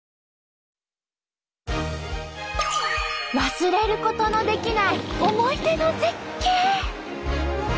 忘れることのできない思い出の絶景！